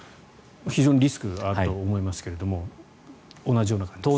非常にリスクがあると思いますけれども同じような感じですか。